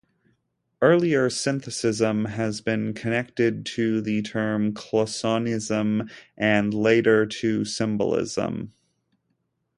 Earlier, "Synthetism" has been connected to the term "Cloisonnism", and later to "Symbolism".